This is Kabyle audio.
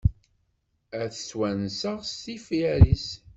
Ad twenseɣ s yifyar-is.